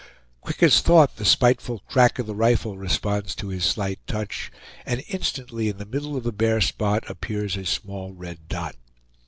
Quick as thought the spiteful crack of the rifle responds to his slight touch, and instantly in the middle of the bare spot appears a small red dot.